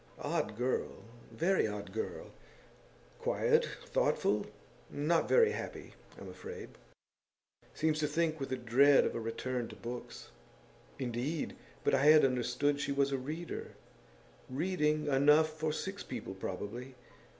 Odd girl; very odd girl! Quiet, thoughtful not very happy, I'm afraid. Seems to think with dread of a return to books.' 'Indeed! But I had understood that she was a reader.' 'Reading enough for six people, probably.